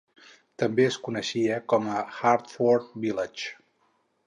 També es coneixia com a Hartford Village.